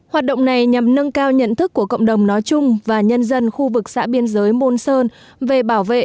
hoạt động này nhằm nâng cao nhận thức của cộng đồng nói chung và nhân dân khu vực xã biên giới môn sơn về bảo vệ